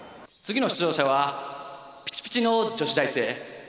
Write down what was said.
次の出場者はピチピチの女子大生。